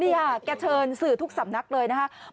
นี่ค่ะแกเชิญสื่อทุกสำนักเลยนะครับ